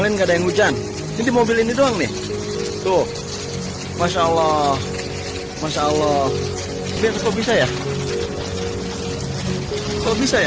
lain nggak ada yang hujan nanti mobil ini doang nih tuh masya allah masya allah bisa ya kalau bisa ya